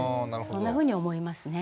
そんなふうに思いますね。